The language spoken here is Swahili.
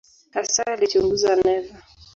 Hasa alichunguza neva.